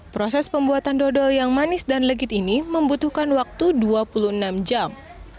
proses pembuatan dodol yang manis dan legit ini membutuhkan waktu dua puluh enam jam